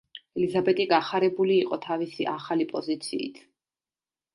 ელიზაბეტი გახარებული იყო თავისი ახალი პოზიციით.